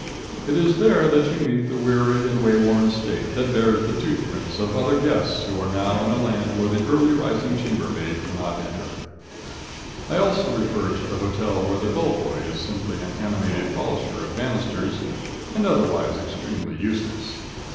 It is there that you meet the weary and way worn steak that bears the toothprints of other guests who are now in a land where the early rising chambermaid cannot enter. I also refer to the hotel where the bellboy is simply an animated polisher of banisters, and otherwise extremely useless.